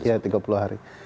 ya tiga puluh hari